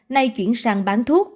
nay chuyển sang bán thuốc